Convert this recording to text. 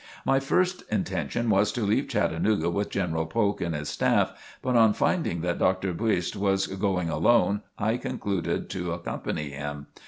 My first intention was to leave Chattanooga with General Polk and his staff, but on finding that Dr. Buist was going alone, I concluded to accompany him.